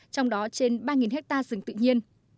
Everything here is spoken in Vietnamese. trong đó trên ba ha rừng tự nhiên